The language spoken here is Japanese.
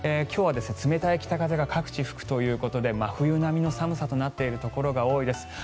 今日は冷たい北風が各地、吹くということで真冬並みの寒さとなっているところが多いです。